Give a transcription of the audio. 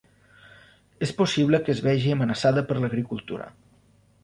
És possible que es vegi amenaçada per l'agricultura.